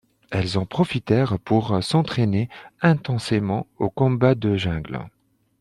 Elles en profitèrent pour s’entraîner intensément au combat de jungle.